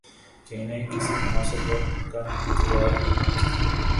کہ انہیں کسی مناسب وقت کا انتظار ہو۔